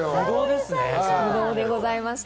不動でございました。